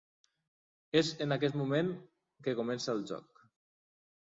És en aquest moment que comença el joc.